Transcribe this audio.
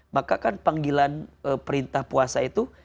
maka kan panggilan perintah puasa itu